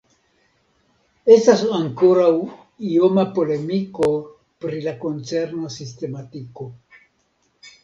Estas ankoraŭ ioma polemiko pri la koncerna sistematiko.